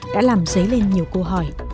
đã làm dấy lên nhiều câu hỏi